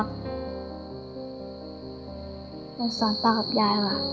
ต้องสอนตากับยายมา